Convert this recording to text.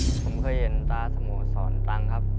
ผมเคยเห็นตาสโมสรตังครับ